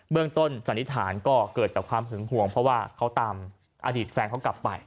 เรื่องต้นสันนิษฐานก็เกิดจากความหึงห่วงเพราะว่าเขาตามอดีตแฟนเขากลับไป